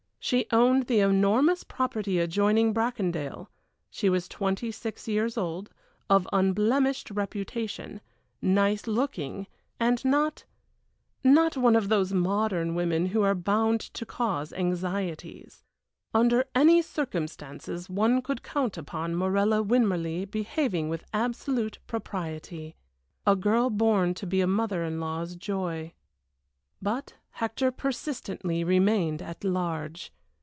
She owned the enormous property adjoining Bracondale; she was twenty six years old, of unblemished reputation, nice looking, and not not one of those modern women who are bound to cause anxieties. Under any circumstances one could count upon Morella Winmarleigh behaving with absolute propriety. A girl born to be a mother in law's joy. But Hector persistently remained at large.